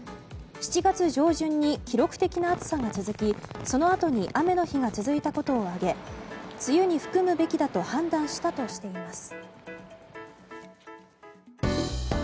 ７月上旬に記録的暑さが続きそのあとに雨の日が続いたことを挙げ梅雨に含むべきだと判断したとしています。